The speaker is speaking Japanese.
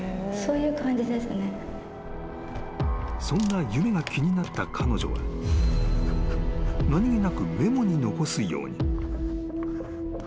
［そんな夢が気になった彼女は何げなくメモに残すように］